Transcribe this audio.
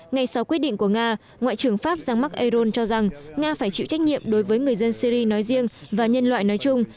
ngay sau quyết định của nga ngoại trưởng pháp rang make aron cho rằng nga phải chịu trách nhiệm đối với người dân syri nói riêng và nhân loại nói chung